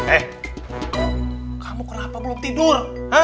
eh kamu kenapa belum tidur